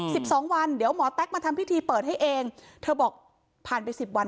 สิบสองวันเดี๋ยวหมอแต๊กมาทำพิธีเปิดให้เองเธอบอกผ่านไปสิบวัน